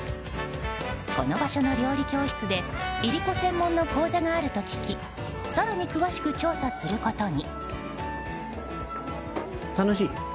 この場所の料理教室でいりこ専門の講座があると聞き更に詳しく調査することに。